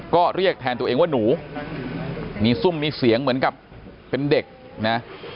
ก็เรียกแทนตัวเองว่าหนูมีซุ่มมีเสียงเหมือนกับเป็นเด็กนะ